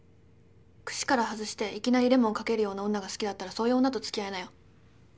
串から外していきなりレモンかけるような女が好きだったらそういう女と付き合いなよ。